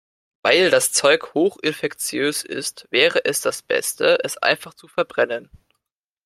Weil das Zeug hoch infektiös ist, wäre es das Beste, es einfach zu verbrennen.